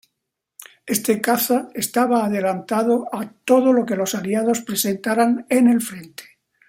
Este caza estaba adelantado a todo lo que los Aliados presentaran en el frente.